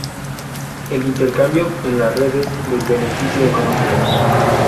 el intercambio en las redes les beneficia económicamente.